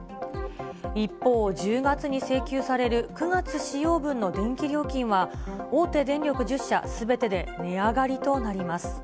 一方、１０月に請求される９月使用分の電気料金は、大手電力１０社すべてで値上がりとなります。